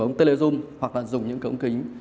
ống tele zoom hoặc là dùng những cái ống kính